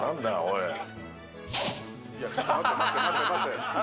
いや、ちょっと待て、待て。